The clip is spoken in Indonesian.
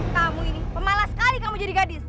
kamu ini pemalas sekali kamu jadi gadis